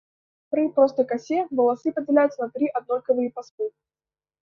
Пры простай касе валасы падзяляюцца на тры аднолькавыя пасмы.